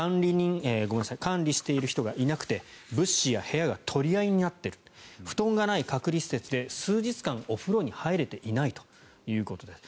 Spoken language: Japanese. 管理している人がいなくて物資や部屋が取り合いになっている布団がない隔離施設で数日間お風呂に入れていないということです